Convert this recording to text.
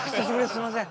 すいません。